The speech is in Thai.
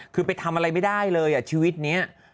คือไปทำอะไรไม่ได้เลยอ่ะชีวิตนี้